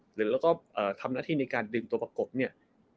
หรือแล้วก็ทำหน้าที่ในการดึงตัวประกบเนี่ย